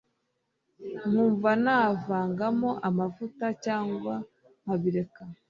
Nkumva navangamo amavuta cyangwa nkabireka